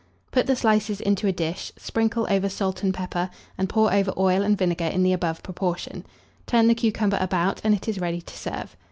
Put the slices into a dish, sprinkle over salt and pepper, and pour over oil and vinegar in the above proportion; turn the cucumber about, and it is ready to serve.